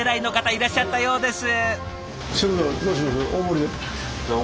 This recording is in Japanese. いらっしゃったようです。